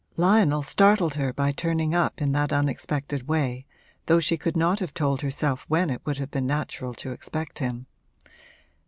Lionel startled her by turning up in that unexpected way, though she could not have told herself when it would have been natural to expect him.